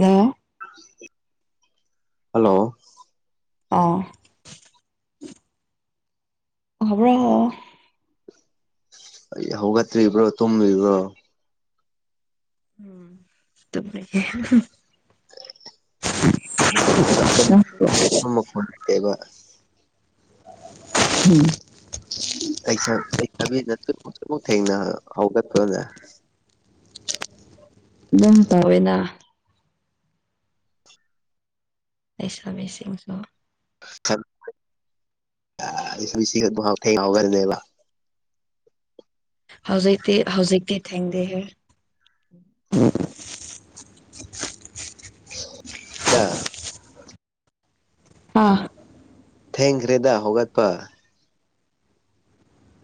ꯌꯦꯉ ꯍꯜꯂꯣ ꯑꯥ ꯍꯕ꯭ꯔꯣ ꯑ ꯍꯒꯇꯔꯤ ꯏꯕ꯭ꯔꯣ ꯇꯣꯝ ꯏꯕ꯭ꯔꯣ ꯑꯗꯨ ꯍꯧꯒꯄ ꯍꯧꯒꯄ ꯃꯛꯦꯒ ꯎꯝ ꯁꯕꯤ ꯅꯨꯛ ꯊꯦꯡꯅ ꯍꯧꯒꯠꯄ꯭ꯔꯣꯅꯦ [inaudible] ꯑꯗꯨꯝ ꯇꯥꯎꯋꯦꯅ ꯑꯩꯩꯁ ꯃꯁꯤꯡꯁꯨꯣ ꯁꯤ ꯊꯒꯅꯦꯕ ꯍꯧꯖꯤꯛꯇꯛꯇꯤ ꯍꯧꯖꯤꯛꯇꯤ ꯊꯦꯡꯗ ꯍ ꯗ ꯑꯥ ꯊꯦꯡ ꯔꯦꯗ ꯍꯒꯠꯄ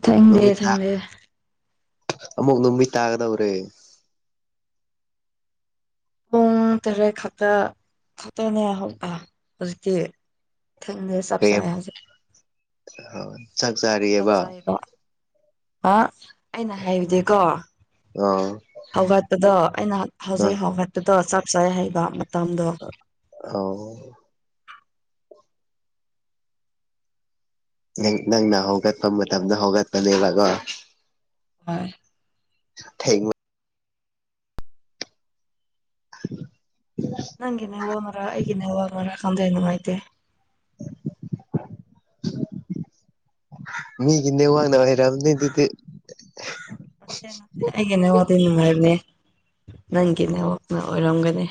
ꯊꯦꯡꯗꯦ ꯊꯦꯡꯗꯦ ꯑꯃꯨꯛ ꯅꯨꯃꯤꯠ ꯇꯥꯒꯗꯧꯔꯦ ꯎꯝꯔꯦ ꯈ ꯈꯇꯅꯦ ꯍ ꯑ ꯍꯧꯖꯤꯛꯇ ꯊꯦꯡꯗ ꯆꯞ ꯁꯥꯏꯁꯦ ꯑ ꯆꯥꯛ ꯆꯥꯔꯤꯑꯕ ꯑ ꯑꯩꯅ ꯍꯥꯏꯕꯗꯤꯀꯣ ꯑꯣ ꯍꯧꯒꯠꯄꯗꯣ ꯑꯩꯅ ꯍꯧꯖꯤꯛ ꯍꯧꯒꯠꯄꯗꯣ ꯆ [unintelligible] ꯍꯥꯎ ꯅꯪꯅ ꯍꯧꯒꯠꯄ ꯃꯇꯝꯗ ꯍꯧꯒꯠꯄꯅꯦꯕꯀꯣ ꯍꯣꯏ ꯊꯦꯡ [unintelligible] ꯅꯪꯒꯤ ꯅꯦꯠꯋꯛꯅꯔ ꯑꯩꯒꯤ ꯅꯦꯋꯛꯅꯔ ꯈꯪꯗꯦ ꯅꯨꯡꯉꯥꯏꯇꯦ [unintelligible] ꯃꯤꯒꯤ ꯅꯦꯋꯥꯛꯅ ꯑꫭꯏꯔꯝꯅꯦ ꯗꯨꯗꯤ [unintelligible] ꯑꯩꯒꯤ ꯅꯦꯋꯥꯛꯇꯤ ꯅꯨꯉꯥꯏꯕꯅꯦ ꯅꯪꯒꯤ ꯅꯦꯋꯥꯛꯅ ꯑꯣꯔꯛꯒꯅꯤ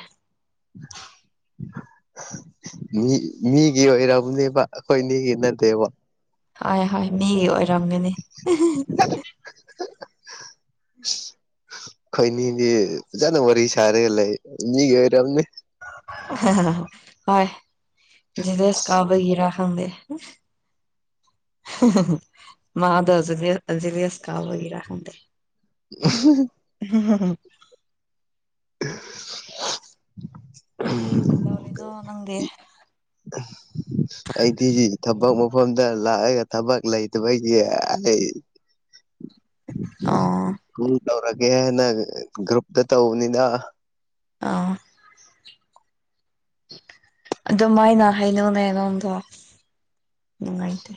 [unintelligible] ꯃꯤ ꯃꯤꯒꯤ ꯑꯣꯏꯔꯕꯅꯦꯕ ꯑꯩꯈꯣꯏ ꯅꯤꯒꯤ ꯅꯠꯇꯦꯕ ꯍꯣꯏ ꯍꯣꯏ ꯃꯤꯒꯤ ꯑꯣꯏꯔꯝꯒꯅꯤ [unintelligible] ꯈꯣꯏꯅꯤꯗꯤ ꯐꯖꯅ ꯋꯥꯔꯤ ꯁꯥꯔꯒ ꯂꯩ ꯃꯤꯒꯤ ꯑꯣꯏꯔꯝꯅꯦ ꯍꯣꯏ ꯖꯦꯜꯁ ꯀꯥꯕꯒꯤꯔ ꯈꯪꯗ ꯃꯥꯗꫭ ꯖꯦꯚꯦꯁ ꯖꯦꯂꯤꯌꯥꯁꯀꯥꯕꯒꯤꯔ ꯈꯪꯗꯦ [unintelligible] [unintelligible] ꯀꯗꯣꯔꯤꯅꯣ ꯅꯪꯗꯤ ꯑꯩꯗꯤ ꯊꯕꯛ ꯃꯐꯝꯗ ꯂꯥꯛꯑꯒ ꯊꯕꯛ ꯂꯩꯇꯕꯒꯤ ꯑꯩ ꯑꫭ ꯇꯧꯔꯒꯦꯅ ꯒ꯭ꯔꯨꯞꯇ ꯇꯧꯕꯅꯤꯅ ꯑꯥ ꯑꯗꯨꯃꯥꯏꯅ ꯍꯥꯏꯩꯅꯧꯅꯦ [unintelligible] ꯅꯨꯡꯉꯥꯏꯇꯦ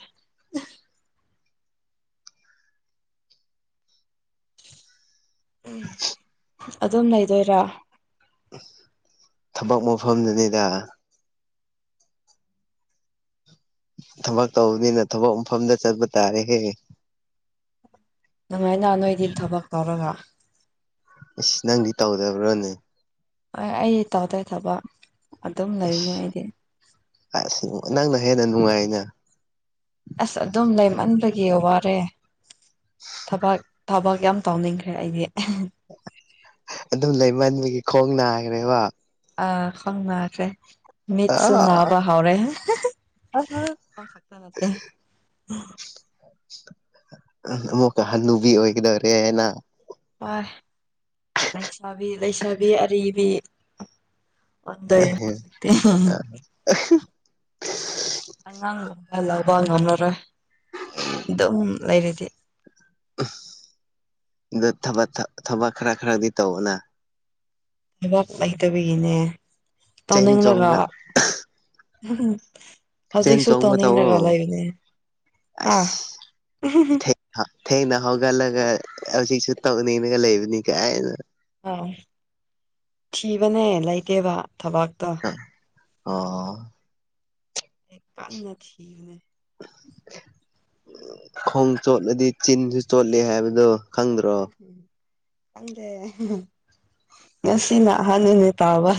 ꯎꯝ ꯑꯗꯨꯝ ꯂꯩꯗꯣꯏꯔ ꯊꯕꯛ ꯃꯐꯝꯗꯅꯤꯗ ꯊꯕꯛ ꯇꯧꯕꯅꯤꯅ ꯊꯕꯛ ꯃꯐꯝꯗ ꯆꯠꯄ ꯇꯥꯔꯦꯍꯦ ꯅꯨꯡꯉꯥꯏꯅ ꯅꯣꯏꯗꯤ ꯊꯕꯛ ꯇꯧꯔꯒ ꯑꯁ ꯅꯪꯗꯤ ꯇꯧꯗꯕ꯭ꯔꯣꯅꯦ ꯍꯣꯏ ꯑꯩꯗꯤ ꯇꯧꯗꯦ ꯊꯕꯛ ꯑꯗꯨꯝ ꯂꯩꯕꯅꯦ ꯑꯩꯗꯤ ꯑꯁ ꯅꯪꯅ ꯍꯦꯟꯅ ꯅꯨꯡꯉꯥꯏꯅ ꯑꯁ ꯑꯗꯨꯝ ꯂꯩꯃꯟꯕꯒꯤ ꯋꯥꯔꯦ ꯊꯕꯛ ꯊꯕꯛ ꯌꯥꯝ ꯇꯥꯎꯅꯤꯡꯈ꯭ꯔꯦ ꯑꯩꯗꯤ ꯑꯗꯨꯝ ꯂꯩꯃꯟꯕꯒꯤ ꯈꯣꯡ ꯅꯥꯈ꯭ꯔꯦꯕ ꯑ ꯈꫭꯡꯅꯥꯈ꯭ꯔꯦ ꯃꯤꯠꯁꯨꯨ ꯅꯥꯕ ꯍꯧꯔꯦ [unintelligible] ꯑꯃꯨꯛꯀ ꯍꯜꯂꯨꯕꯤ ꯑꯣꯏꯒꯗꯧꯔꯦꯅ ꯍꫭꯏ ꯂꯩꯁꯥꯕꯤ ꯂꯩꯁꯥꯕꯤ ꯑꯔꯤꯕꯤ ꯑꯣꯟꯗꯣꯏꯔꯦ ꯍꯧꯖꯤꯛꯇꯤ [unintelligible] [unintelligible] ꯑꯗꯨꯝ ꯂꯩꯔꯦꯗꯤ ꯑꯗ ꯊꯕ ꯊꯕꯛ ꯈꯔ ꯈꯔꯗꯤ ꯇꯧꯋꫭꯅ ꯊꯕꯛ ꯂꯩꯇꯕꯤꯒꯤꯅꯦ ꯆꯦꯟ ꯆꯣꯡꯕ ꯆꯦꯟ ꯍꯧꯖꯤꯛꯁꯨ ꯆꯣꯡꯕ ꯇꯧꯋꯣ ꯇꯧꯅꯤꯡꯅꯒꯂꯏꯅꯦ ꯑꯁ ꯊꯦꯡꯅ ꯊꯦꯡꯄ ꯍꯧꯒꯠꯂꯒ ꯍꯧꯖꯤꯛꯁꯨ ꯇꯧꯅꯤꯡꯉꯒ ꯂꯩꯕꯅꯤ ꯀꯥꯏꯅ ꯊꯤꯕꯅꯦ ꯂ ꯂꯩꯇꯦꯕ ꯊꯕꯥꯥꯛꯇ ꯑꯣ ꯑꯦ ꯀ ꯊꯅꯦ ꯈꯣꯡ ꯆꯣꯠꯂꯗꯤ ꯆꯤꯟꯁꯨ ꯆꯣꯠꯂꯦ ꯍꯥꯏꯕꯗꯣ ꯈꯪꯗ꯭ꯔꯣ ꯑꯗ ꯉꯁꯤ ꯅ ꯑꯍꯥꯟꯕꯅꯦ ꯇꯥꯕ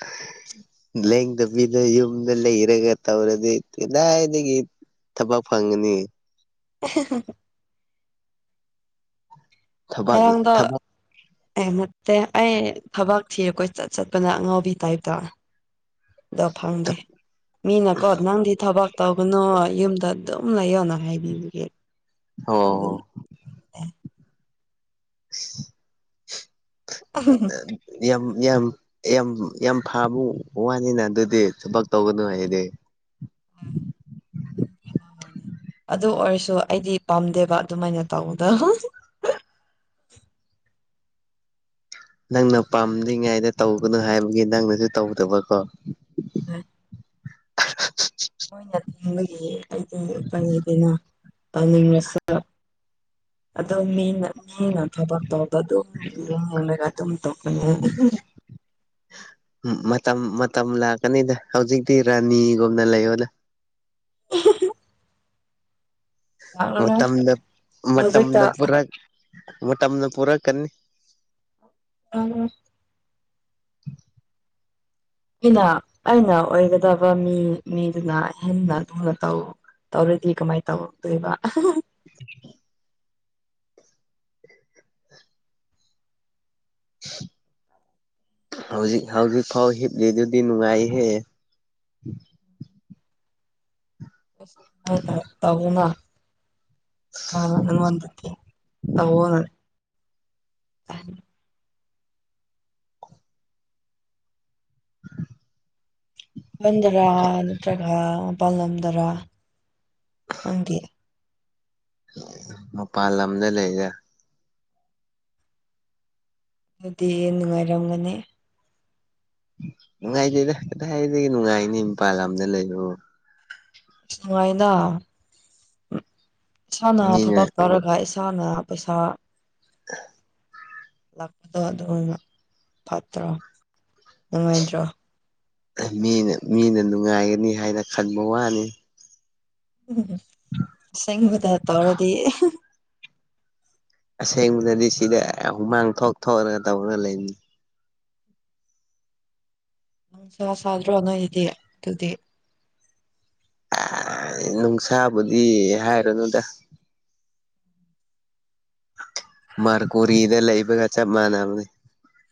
ꯑꯟꯑꯣꯗꯤꯕꯜ ꯂꯦꯡꯗꯕꯤꯗ ꯌꯨꯝꯗ ꯂꯩ ꯏꯔꯒ ꯇꯧꯔ ꯑꯗꯨ ꯏꯗꯥꯗꯒꯤ ꯏ ꯊꯕꯛ ꯐꯪꯒꯅꯤ ꯑꯦꯍꯍꯍ ꯊꯕꯥꯛ ꯉꯔꯥꯡꯗꯣ ꯊꯕꯥꯛ ꯑꯦ ꯅꯠꯇꯦ ꯑꯩ ꯊꯕꯛ ꯊꯤꯔꯦꯀꯣꯏ ꯆꯠꯄꯅ ꯑꯉꯥꯎꯕꯤ ꯇꯥꯏꯞꯇ ꯗꯣ ꯐꯪꯗꯦ ꯃꯤꯅꯀꯣ ꯅꯪꯗꯤ ꯊꯕꯛ ꯇꯧꯒꯅꯨ ꯌꯨꯝꯗ ꯑꯗꯨꯝ ꯂꯩꯌꯣꯅ ꯍꯥꯏꯕꯤꯕꯒꯦ ꯑꯗꯨꯝ ꯑꯣ ꯑꯟꯑꯣꯗꯤꯕꯜ ꯌꯥꯝ ꯌꯥꯝ ꯌꯥꯝ ꯌꯥꯝ ꯐꯕ ꯋꯥꯅꯤꯅ ꯑꯗꯨꯗꯤ ꯊꯕꯛ ꯇꯧꯒꯅꯨ ꯑ ꯍꯥꯏꯗꯤ ꯄꯥꯅꯤ ꯑꯗꯨ ꯑꯣꯏꯔꯁꯨ ꯑꯩꯗꯤ ꯄꯥꯝꯗꯦꯕ ꯑꯗꯨꯃꯥꯏꯅ ꯇꯧꯕꯗ ꯅꯪꯅ ꯄꯥꯝꯗ꯭ꯉꯩꯗ ꯇꯧꯕꯅꯨ ꯍꯥꯏꯕꯒꯤ ꯅꯪꯅꯁꯨ ꯇꯧꯗꯕꯀꯣ ꯍ ꯑꯍꯍꯍꯍ ꯃꯣꯏꯅ ꯊꯤꯡꯕꯒꯤ ꯑꯩꯗꯤ ꯐꯪꯉꯤꯗꯅ ꯇꯥꯅꯤꯡꯂꯁꯨ ꯑꯣ ꯃꯤꯅ ꯃꯤꯅ ꯊꯕꯛ ꯇꯕꯥꯗꯨ ꯌꯦꯂꯒꯗꯨꯝ ꯇꯈ ꯃꯇꯝ ꯃꯇꯝ ꯂꯥꯛꯀꯅꯤꯗ ꯍꯧꯖꯤꯛꯇꯤ ꯔꯥꯅꯤꯒꯨꯝꯅ ꯂꯩꯌꯣꯗ ꯑꯦꯍꯦꯍꯦ ꯃꯇꯝꯗ ꯍꯧꯖꯤꯛꯇ ꯃꯇꯝꯗ ꯄꯨꯔꯥ ꯃ ꯇꯝꯅ ꯄꯨꯔ ꯀꯅꯤ ꯑ ꯑꯝ ꯎ ꯑꯩꯅ ꯑꯩꯅ ꯑꯣꯏꯒꯗꯕ ꯃꯤ ꯃꯤꯗꯨꯅ ꯍꯦꯟꯅ ꯊꯨꯅ ꯇꯧ ꯇꯧꯔꯗꯤ ꯀꯃꯥꯏꯅ ꯇꯧꯍꯧꯗꯣꯏꯕ ꯑꯟꯑꯣꯗꯤꯕꯜ ꯑꯟꯑꯣꯗꯤꯕꯜ ꯍꯧꯖꯤꯛ ꯍꯧꯖꯤꯛ ꯐꯥꯎ ꯍꯤꯞꯂꯤꯗꯨꯗꯤ ꯅꯨꯡꯉꯥꯏꯍꯦ ꯇꯔ ꯇꯧꯕꯅ ꯑ ꯑꯩꯉꯣꯟꯗ ꯇꯧꯑꯣꯅ ꯑꯟꯑꯣꯗꯤꯕꯜ ꯑꯟꯑꯣꯗꯤꯕꯜ ꯍꯟꯗꯔꯥ ꯅꯠꯇ꯭ꯔꯒ ꯃꯄꯥꯜꯂꯝꯗꯔꯥ ꯅꯪꯒꯤ ꯃꯄꯥꯟ ꯂꯝꯗ ꯂꯩꯒꯦ ꯑꯗꯨꯗꯤ ꯑꯦ ꯅꯨꯡꯉꯥꯏꯔꯝꯒꯅꯤ ꯅꯨꯡꯉꯥꯏꯇꯦ ꯀꯗꯥꯏꯗ ꯅꯨꯡꯉꯥꯏꯅꯤ ꯏꯝꯐꯜ ꯑꯗ ꯂꯩꯌꯣ ꯑ ꯅꯨꯡꯉꯥꯏꯅ ꯏꯁꯥꯅ ꯃꯤꯅ ꯊꯕꯛ ꯇꯧꯔꯒ ꯆꯥꯅ ꯄꯩꯁꯥ [unintelligible] [inaudible] ꯂꯥꯛꯄꯗꯣ ꯑꯗꯨꯅ ꯐꯠꯇ꯭ꯔꯣ ꯅꯨꯡꯉꯥꯏꯇ꯭ꯔꯣ ꯃꯤꯅ ꯃꯤꯅ ꯅꯨꯡꯉꯥꯏꯒꯅꯤ ꯍꯥꯏꯅ ꯈꯟꯕ ꯋꯥꯅꯤ ꯎꯝꯁꯦꯡꯕꯗ ꯇꯧꯔꯗꯤ ꯑꯁꯦꯡꯕꯗꯗꯤ ꯁꯤꯗ ꯍꯨꯃꯥꯡ ꯊꯣꯛ ꯊꯣꯛꯂꯒ ꯇꯧꯔꯒ ꯂꯩꯅꯤ ꯅꯪ ꯁꯥ ꯁꯥꯗ꯭ꯔꯣ ꯑꯉꯗꯤ ꯑꯗꯨꯗꯤ ꯅꯨꯡꯁꯥꯕꯨꯗꯤ ꯍꯥꯏꯔꯨꯅꯨꯗ ꯃꯔꯀꯨꯔꯤꯗ ꯂꯩꯕꯒ ꯆꯞ ꯃꯥꯟꯅꯕꯅꯦ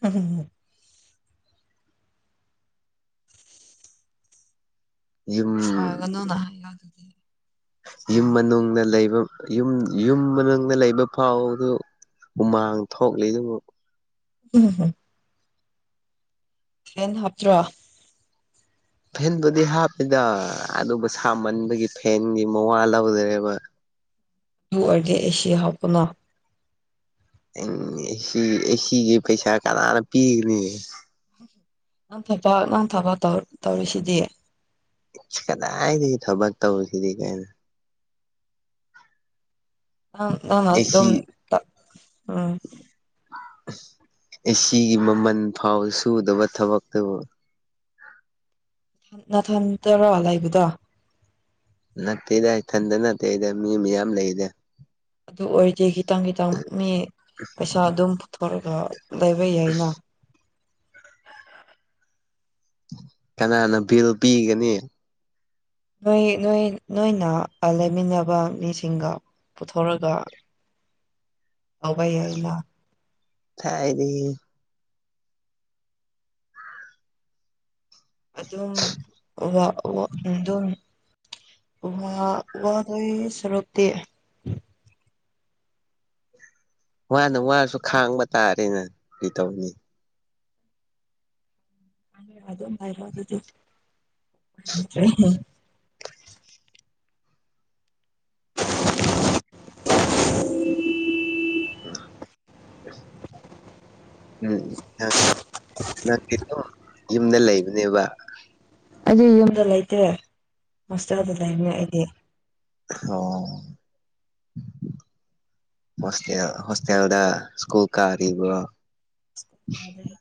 ꯎꯝ [inaudible] ꯌꯨꯝ ꯁꯥꯒꯅꯣꯅ ꯍꯥꯏꯌꯣ ꯑꯗꯨꯗꯤ ꯌꯨꯝ ꯃꯅꯨꯡꯅ ꯂꯩꯕ [inaudible] ꯌꯨꯝ ꯌꯨꯝ ꯃꯅꯨꯡꯗ ꯂꯩꯕ ꯐꯥꯎꯗꯨ ꯎꯃꯥꯡ ꯊꯣꯛꯂꯤ ꯑꯗꯨꯕꯨ ꯍꯝ [unintelligible] [inaudible] ꯌꯦꯟ ꯍꯥꯞꯇ꯭ꯔꯣ ꯐꯦꯟꯗꯨꯗꯤ ꯍꯥꯞꯄꯦꯗ ꯑꯗꯨꯕꯨ ꯁꯥꯃꯟꯕꯒꯤ ꯐꯦꯟꯒꯤ ꯃꯋꯥ ꯂꯧꯗ꯭ꯔꯦꯕ ꯑꯗꯨ ꯑꯣꯏꯔꯒꯦ ꯑꯦꯁꯤ ꯍꯥꯞꯄꯅ ꯎꯝ ꯑꯦꯁꯤ ꯑꯦꯁꯤꯒꯤ ꯄꯩꯁꯥ ꯀꯅꯥꯅ ꯄꯤꯒꯅꯤ ꯉꯥꯡ ꯊꯕ ꯉꯥꯡ ꯊꯕꯧ ꯇꯧꯔꯤꯁꯤꯗꯤ ꯀꯗꯥ ꯊꯕꯛ ꯇꯧꯕ ꯁꯤ ꯀꯥꯏ ꯑ ꯑ ꯃ ꯑꯗꯨ ꯑꯦꯁꯤ ꯇ ꯎꯝ [inaudible] [unintelligible] ꯑꯁꯤꯒꯤꯒꯤ ꯃꯃꯜ ꯐꯥꯎ ꯁꯨꯗꯕ ꯊꯕꯛꯇꯕꯨ ꯊ ꯅꯊꯟꯇꯔ ꯍꯂꯏꯕꯨꯗ ꯅꯠꯇꯦꯗ ꯏꯊꯟꯇ ꯅꯠꯇꯦꯗ ꯃꯤ ꯃꯌꯥꯝ ꯂꯩꯔꯦ ꯑꯗꯨ ꯑꯣꯏꯔꯗꯤ ꯈꯤꯇꯪ ꯈꯤꯇꯪ ꯃꯤ ꯄꯩꯁꯥ ꯑꯗꯨꯝ ꯄꯨꯊꯣꯔꯒ ꯂꯩꯕ ꯌꯥꯏꯅ ꯀꯅꯥꯅ ꯕꯤꯜ ꯄꯤꯒꯅꯤ ꯅꯣꯏ ꯅꯣꯏ ꯅꯣꯏꯅ ꯂꯩꯃꯤꯟꯅꯕ ꯃꯤꯁꯤꯡꯒ ꯄꯨꯊꯣꯔꯒ ꯑꯥꯎꯚꯏꯂ ꯊꯥꯏꯔꯤ [inaudible] ꯑꯗꯨ ꯑꯗꯨꯝ ꯋꯥ ꯑꯗꯨ ꯑꯗꯨꯝ ꯋꯥꯗꯏ ꯁꯔꯇ ꯃꯥꯅ ꯋꯥꯔꯁꯨ ꯈꯥꯡꯕ ꯇꯥꯔꯦꯅ ꯀꯩꯇꯧꯅꯤ ꯋꯥꯣ ꯃꯥꯥꯏ ꯋꯥ ꯑꯗꯨ [unintelligible] [inaudible] ꯑꯁ [unintelligible] [inaudible] ꯎꯝ ꯅꯪ ꯅꯪ ꯌꯨꯝꯗ ꯂꯩꯕꯅꯦꯕ ꯑꯩ ꯌꯨꯝꯗ ꯂꯩꯇꯦ ꯃꯁꯇꯔꯗ ꯂꯩꯕꯅꯦ ꯑꯩꯗꯤ ꯑꯣ [inaudible] [unintelligible] ꯍꯣꯁꯇꯦꯜ ꯍꯣꯁꯇꯦꯜꯗ ꯁ꯭ꯀꯨꯜ ꯀꯥꯔꯤꯕ ꯗ [inaudible] [unintelligible]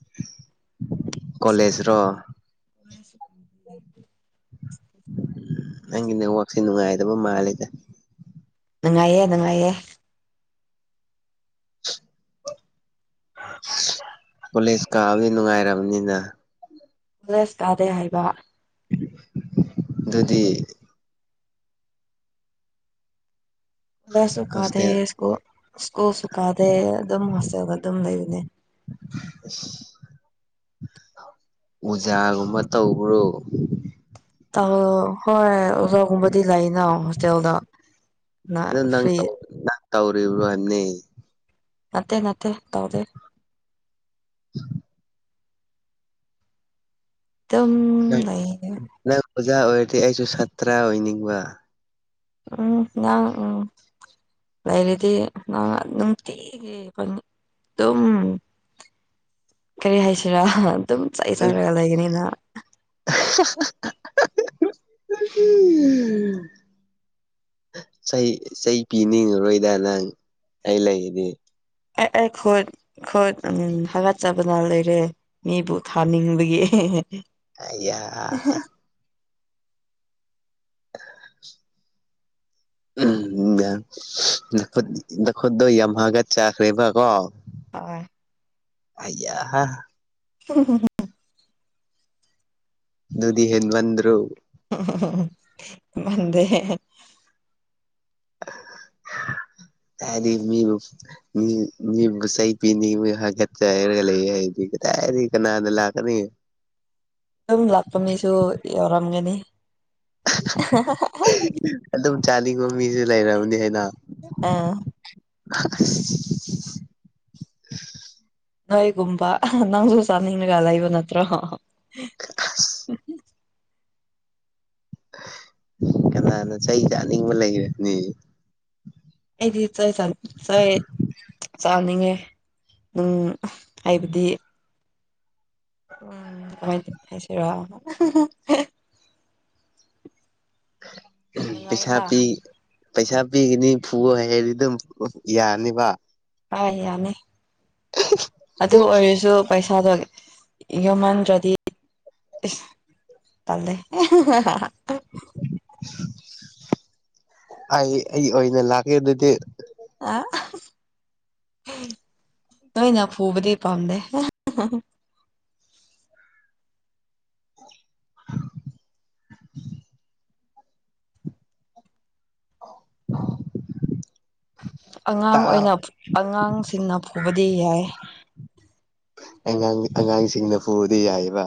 ꯎꯥꯎ ꯎꯝ ꯅꯪꯒꯤ ꯅꯦꯛꯋꯥꯛꯁꯦ ꯅꯨꯡꯉꯥꯏꯗꯕ ꯃꯥꯜꯂꯦꯗ ꯅꯨꯡꯉꯥꯏꯌꯦꯦ ꯅꯨꯡꯉꯥꯏꯌꯦꯦ ꯄꯨꯂꯤꯁ ꯀꯥꯕꯗꯤ ꯅꯨꯡꯉꯥꯏꯔꯕꯅꯤꯅ ꯂꯁ ꯇꯥꯗꯦ ꯍꯥꯏꯕ ꯑꯗꯨꯗꯤ ꯂꯁꯨ ꯀꯥꯗꯦ ꯍꯣꯁꯇꯦꯜ ꯁꯀꯨꯜ ꯁ꯭ꯀꯨꯜꯁꯨ ꯀꯥꯗꯦ ꯑꯗꯨꯝ ꯍꯣꯁꯇꯦꯜꯗ ꯑꯗꯨꯝ ꯂꯩꯕꯅꯦ [unintelligible] ꯑꯣꯖꯥꯒꯨꯝꯕ ꯇꯧꯕ꯭ꯔꯣ ꯑ ꯍꯣꯏ ꯑꯣꯖꯥꯒꯨꯝꯕꯗꯤ ꯂꯥꯏꯅ ꯍꯣꯁꯇꯦꯜꯗ ꯑꯗꯨ ꯅꯪ ꯐꯔꯤ ꯅꯪ ꯇꯧꯔꯤꯕ꯭ꯔꯣ ꯍꯥꯏꯕꯅꯦ ꯅꯠꯇꯦ ꯅꯠꯇꯦ ꯇꯧꯗꯦ ꯑꯗꯨꯝ ꯂꯩꯌꯦ ꯅꯪ ꯑꯣꯖꯥ ꯑꯣꯏꯔꯗꯤ ꯑꯩꯁꯨ ꯁꯥꯇ꯭ꯔ ꯑꯣꯏꯅꯤꯡꯕ ꯎꯝ ꯌꯥ ꯎꯝ ꯂꯩꯔꯤꯗꯤ ꯅ ꯅꯨꯡꯇꯤꯒꯤ ꯑꯩꯈ ꯑꯗꯨꯝ ꯀꯔꯤ ꯍꯥꯏꯁꯤꯔꯥ ꯑꯗꯨꯝ ꯆꯩ ꯆꯪꯉꯒ ꯂꯩꯒꯅꯤꯅ ꯎ ꯎ ꯆꯩ ꯆꯩ ꯄꯤꯅꯤꯡꯉꯔꯣꯏꯗ ꯅꯪ ꯑꯩ ꯂꯩꯗꯤ ꯑꯦ ꯑꯩ ꯈꯣꯏꯠ ꯈꯣꯏꯠ ꯎ ꯍꯥꯒꯠꯆꯕꯅ ꯂꯩꯔꯦ ꯃꯤꯕꯨ ꯊꯥꯅꯤꯡꯕꯒꯤ ꯑ [unintelligible] ꯨ ꯅꯈꯨꯠꯇꯣ ꯌꯥꯝꯃꯒ ꯆꯥꯈ꯭ꯔꯦꯕꯀꯣ ꯑ ꯑꯌꯥ ꯍꯥ ꯎ ꯅꯨꯗꯤ ꯍꯦꯟꯃꯟꯗ꯭ꯔꯣ ꯃꯟꯗꯦ [unintelligible] ꯑꯗꯤ ꯃꯤ ꯁꯩ ꯄꯤ ꯍꯠꯇ ꯏꯔꯒ ꯌꯥꯔꯤ ꯀꯅꯥꯗ ꯂꯥꯛꯀꯅꯤ ꯑꯗꯨꯝ ꯂꯥꯛꯄ ꯃꯤꯁꯨ ꯌꯥꯎꯔꯝꯒꯅꯤ ꯑꯗꯨꯝ ꯆꯥꯅꯤꯡꯕ ꯃꯤꯁꯨ ꯂꯩꯔꯝꯅꯤ ꯍꯥꯏꯅ ꯑ [unintelligible] ꯅꯣꯏꯒꯨꯝꯕ ꯅꯪꯁꯨ ꯆꯥꯅꯤꯡꯂꯒ ꯂꯩꯕ ꯅꯠꯇ꯭ꯔꯣ ꯀꯅꯥꯅ ꯆꯍꯤ ꯆꯥꯅꯤꯡꯕ ꯂꯩꯔꯅꯤ ꯑꯩꯗꯤ ꯆꯦ ꯆ ꯆ ꯆꯥꯅꯤꯡꯉꯦ ꯅꯨꯡ ꯍꯥꯏꯕꯗꯤ ꯎꯥꯏꯁꯤ ꯄꯤꯁꯥꯕꯤ ꯄꯩꯁꯥ ꯄꯤꯒꯅꯤ ꯐꯨꯕ ꯍꯥꯏꯗꯤ ꯑꯗꯨꯝ ꯌꯥꯅꯤꯕ ꯑꯥꯏ ꯌꯥꯅꯤ ꯑꯗꯨ ꯑꯣꯏꯔꯁꯨ ꯄꯩꯁꯥꯗ ꯌꯥꯟ ꯑꯗꯨꯗꯤ ꯇꯦ ꯑꯩ ꯑꯩ ꯑꯣꯏꯅ ꯂꯥꯛꯀꯦ ꯑꯗꯨꯗꯤ ꯑ ꯇ ꯏꯩꯅ ꯐꯨꯕꯗꯤ ꯄꯥꯗ [inaudible] ꯑ ꯑꯉꯥꯡ ꯇꯥꯛ ꯑꯣꯏꯅ ꯑꯉꯥꯡꯁꯤꯡꯅ ꯄꯨꯕꯗꯤ ꯌꯥꯏ ꯑꯉꯥꯡ ꯑꯉꯥꯡꯁꯤꯡꯅ ꯄꯨꯕꯗꯤ ꯌꯥꯏꯑꯕ